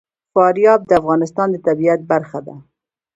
فاریاب د افغانستان د طبیعت برخه ده.